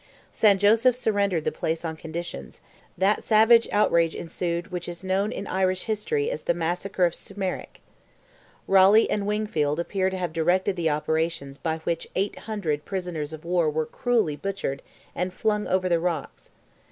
San Joseph surrendered the place on conditions; that savage outrage ensued, which is known in Irish history as "the massacre of Smerwick." Raleigh and Wingfield appear to have directed the operations by which 800 prisoners of war were cruelly butchered and flung over the rocks.